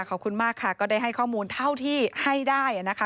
ขอบคุณมากค่ะก็ได้ให้ข้อมูลเท่าที่ให้ได้นะคะ